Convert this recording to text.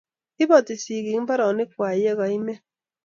Ibati sikiik mbaronikwai ye ka imen